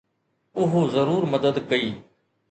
اهو ضرور مدد ڪئي.